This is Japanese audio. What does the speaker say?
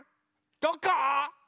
どこ？